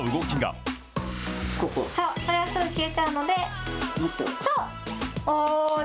それはすぐ消えちゃうので。